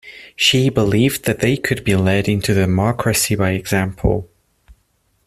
She believed that they could be led into democracy by example.